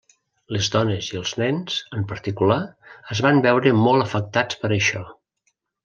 Les dones i els nens, en particular, es van veure molt afectats per això.